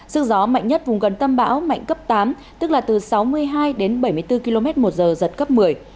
sức gió mạnh nhất vùng gần tâm bão mạnh cấp tám tức là từ sáu mươi hai đến bảy mươi bốn km một giờ giật cấp một mươi